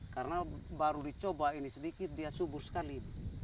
karena baru dicoba ini sedikit dia subur sekali